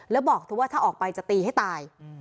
แล้วบอกเธอว่าถ้าออกไปจะตีให้ตาย